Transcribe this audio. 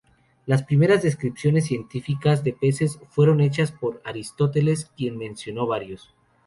Las primeras descripciones científicas de peces fueron hechas por Aristóteles, quien mencionó varios.